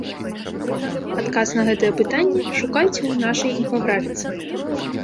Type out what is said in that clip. Адказ на гэта пытанне шукайце ў нашай інфаграфіцы.